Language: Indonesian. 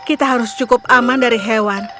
kita harus cukup aman dari hewan